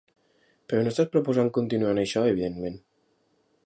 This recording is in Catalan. Però no estàs proposant continuar amb això, evidentment?